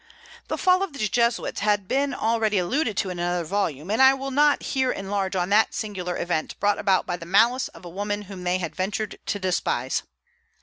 The fall of the Jesuits has been already alluded to in another volume, and I will not here enlarge on that singular event brought about by the malice of a woman whom they had ventured to despise.